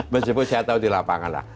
masih pun saya tahu di lapangan lah